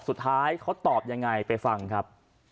สุดท้ายเขาตอบยังไงไปฟังครับ